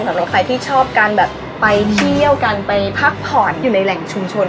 สำหรับใครที่ชอบการแบบไปเที่ยวกันไปพักผ่อนอยู่ในแหล่งชุมชน